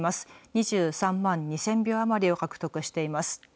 ２３万２０００票余りを獲得しています。